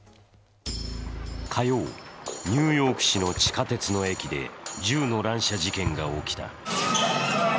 火曜、ニューヨーク市の地下鉄の駅で銃の乱射事件が起きた。